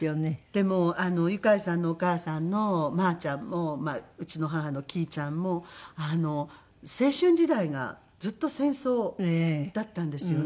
でもユカイさんのお母さんのまぁちゃんもうちの母のきぃちゃんも青春時代がずっと戦争だったんですよね。